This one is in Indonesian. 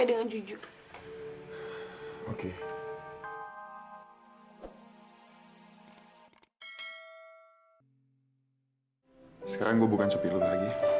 gue gak mau denger apa apa lagi